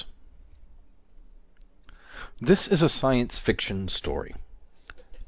] This is a science fiction story.